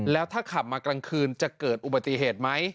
แล้วถ้าขับมากลางคืนจะเกิดอุบัติเหตุไหม